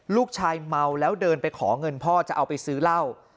เมาแล้วเดินไปขอเงินพ่อจะเอาไปซื้อเหล้า